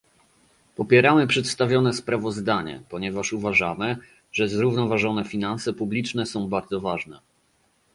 Popieramy przedstawione sprawozdanie, ponieważ uważamy, że zrównoważone finanse publiczne są bardzo ważne